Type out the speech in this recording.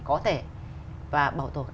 có thể và bảo tồn